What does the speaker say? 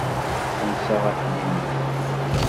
Xemsa ɣef yimi.